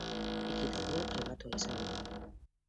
Ekitaldia pribatua izan da.